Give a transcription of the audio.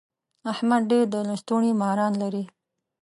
احمد ډېر د لستوڼي ماران لري.